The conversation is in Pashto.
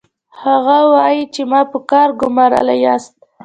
هغه وايي چې ما په کار ګومارلي یاست